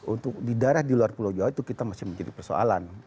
untuk di daerah di luar pulau jawa itu kita masih menjadi persoalan